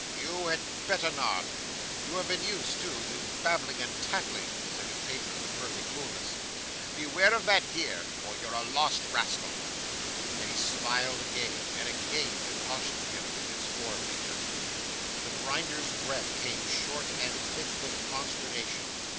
"You had better not" You have been used, too, to babbling and tattling," said his patron with perfect coolness. "Beware of that here, or you're a lost rascal," and he smiled again, and again cautioned him with his forefinger. The Grinder's breath came short and thick with consternation.